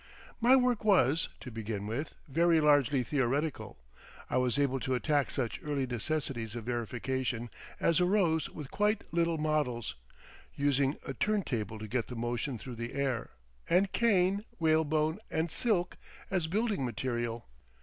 My work was, to begin with, very largely theoretical. I was able to attack such early necessities of verification as arose with quite little models, using a turntable to get the motion through the air, and cane, whalebone and silk as building material.